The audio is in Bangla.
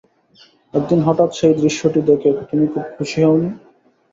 একদিন হঠাৎ সেই দৃশ্যটি দেখে তুমি খুব খুশি হও নি।